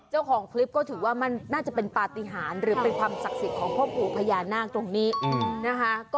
เจ้าของคลิปก็ถือว่ามันน่าจะเป็นปฏิหารหรือเป็นความศักดิ์สิทธิ์ของพ่อปู่พญานาคตรงนี้นะคะ